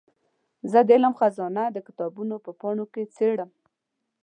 زه د علم خزانه د کتابونو په پاڼو کې څېړم.